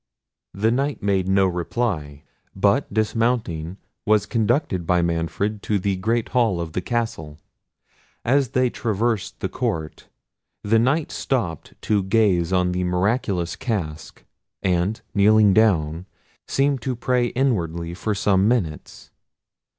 The Knight made no reply, but dismounting, was conducted by Manfred to the great hall of the castle. As they traversed the court, the Knight stopped to gaze on the miraculous casque; and kneeling down, seemed to pray inwardly for some minutes.